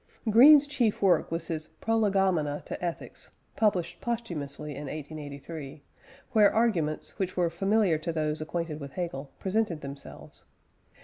Green's chief work was his Prolegomena to Ethics (published posthumously in 1883), where arguments, which were familiar to those acquainted with Hegel, presented themselves.